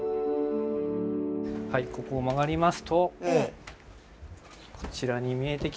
はいここ曲がりますとこちらに見えてきますのが。